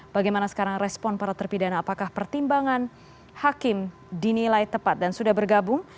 bagaimana sekarang respon para terpidana apakah pertimbangan hakim dinilai tepat dan sudah bergabung